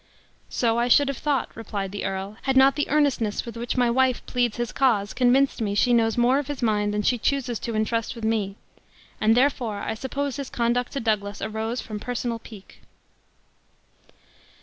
"So I should have thought," replied the earl, "had not the earnestness with which my wife pleads his cause convinced me she knows more of his mind than she chooses to intrust me with, and therefore I suppose his conduct to Douglas arose from personal pique."